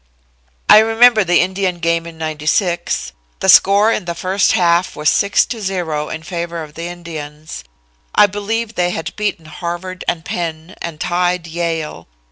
"I remember the Indian game in '96. The score in the first half was 6 to 0, in favor of the Indians. I believe they had beaten Harvard and Penn, and tied Yale.